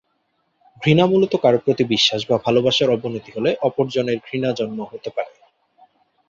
ঘৃণা মূলত কারো প্রতি বিশ্বাস বা ভালোবাসার অবনতি হলে অপর জনের ঘৃণা জন্ম হতে পারে।